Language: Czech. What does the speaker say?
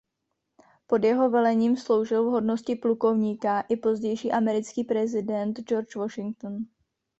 Pod jeho velením sloužil v hodnosti plukovníka i pozdější americký prezident George Washington.